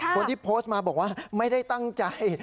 คนที่โพสต์มาบอกว่าไม่ได้ตั้งใจ